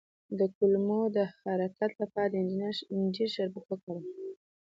د کولمو د حرکت لپاره د انجیر شربت وکاروئ